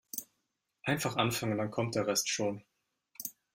Einfach anfangen, dann kommt der Rest schon.